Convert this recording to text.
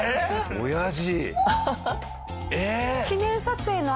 おやじ！